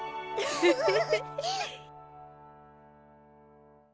フフフフ。